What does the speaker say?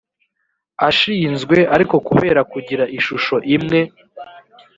ashinzwe ariko kubera kugira ishusho imwe